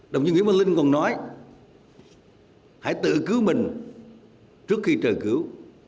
đồng chí nguyễn văn linh còn nói hãy tự cứu mình trước khi trời cứu